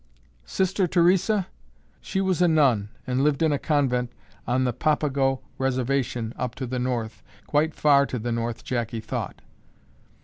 Sister Theresa? She was a nun and lived in a convent on the Papago reservation up to the north, quite far to the north, Jackie thought.